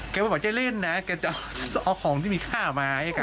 แกบอกว่าจะเล่นนะแกจะเอาของที่มีค่ามา